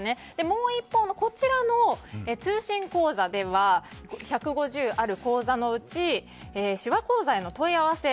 もう一方のこちらの通信講座では１５０ある講座のうち手話講座への問い合わせ